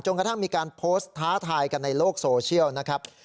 กระทั่งมีการโพสต์ท้าทายกันในโลกโซเชียลนะครับ